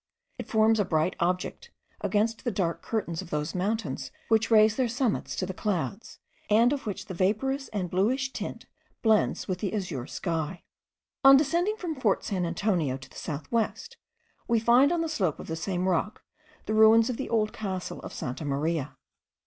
It forms a bright object against the dark curtains of those mountains which raise their summits to the clouds, and of which the vaporous and bluish tint blends with the azure sky. On descending from Fort San Antonio to the south west, we find on the slope of the same rock the ruins of the old castle of Santa Maria.